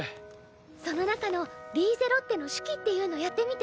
その中の「リーゼロッテの手記」っていうのやってみて。